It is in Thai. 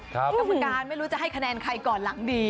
กรรมการไม่รู้จะให้คะแนนใครก่อนหลังดี